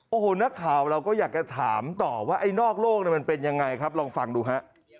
โอ้โหนักข่าวเราก็อยากจะถามต่อว่าไอ้นอกโลกมันเป็นยังไงครับลองฟังดูฮะ